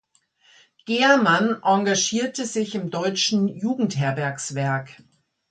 Gehrmann engagierte sich im Deutschen Jugendherbergswerk.